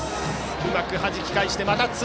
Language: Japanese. うまくはじき返して、また辻。